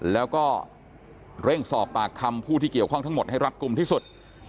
แล้วก็เร่งสอบปากคำผู้ที่เกี่ยวข้องทั้งหมดให้รัดกลุ่มที่สุด